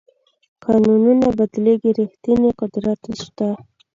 قانونونه بدلېږي ریښتینی قدرت اوس شته.